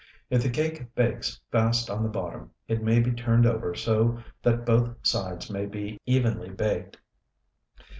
If the cake bakes fast on the bottom, it may be turned over so that both sides may be evenly baked.